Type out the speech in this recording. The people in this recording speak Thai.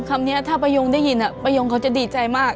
คำนี้ถ้าประโยงได้ยินประโยงเขาจะดีใจมาก